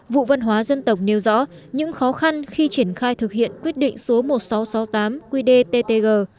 vụ văn hóa dân tộc nêu rõ những khó khăn khi triển khai thực hiện quyết định số một nghìn sáu trăm sáu mươi tám quy đề ttc